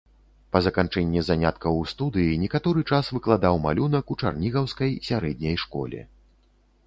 Па заканчэнні заняткаў у студыі некаторы час выкладаў малюнак у чарнігаўскай сярэдняй школе.